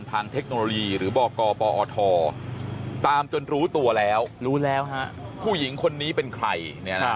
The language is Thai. ทางเทคโนโลยีหรือบ่อกรปอทตามจนรู้ตัวแล้วผู้หญิงคนนี้เป็นใคร